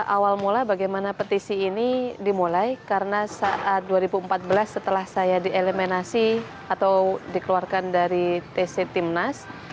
awal mula bagaimana petisi ini dimulai karena saat dua ribu empat belas setelah saya dielemenasi atau dikeluarkan dari tc timnas